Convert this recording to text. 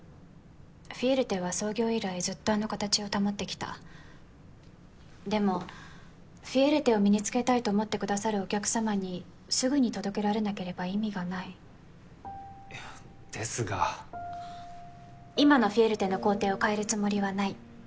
フィエルテは創業以来ずっとあの形を保ってきたでもフィエルテを身につけたいと思ってくださるお客様にすぐに届けられなければ意味がないいやですが今のフィエルテの工程を変えるつもりはない